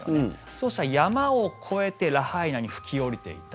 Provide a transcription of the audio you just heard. そうしたら山を越えてラハイナに吹き下りていた。